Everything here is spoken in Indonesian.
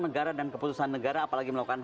negara dan keputusan negara apalagi melakukan